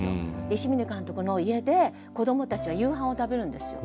伊志嶺監督の家で子どもたちは夕飯を食べるんですよ。